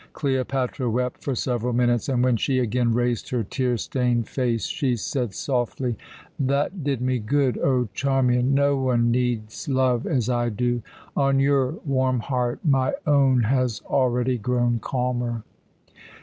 Cleopatra wept for several minutes, and when she again raised her tear stained face she said softly: "That did me good! O, Charmian! no one needs love as I do. On your warm heart my own has already grown calmer."